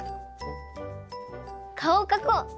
かおをかこう！